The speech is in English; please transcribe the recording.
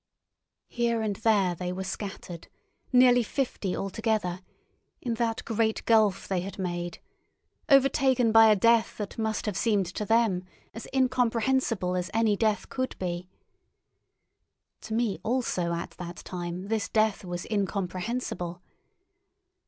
Here and there they were scattered, nearly fifty altogether, in that great gulf they had made, overtaken by a death that must have seemed to them as incomprehensible as any death could be. To me also at that time this death was incomprehensible.